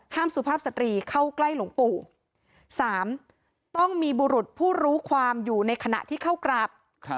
สุภาพสตรีเข้าใกล้หลวงปู่๓ต้องมีบุรุษผู้รู้ความอยู่ในขณะที่เข้ากราบ